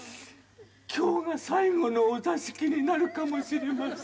今日が最後のお座敷になるかもしれません。